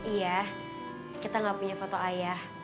iya kita gak punya foto ayah